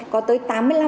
có tới tám mươi năm